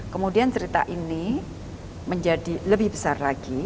kemudian cerita ini menjadi lebih besar lagi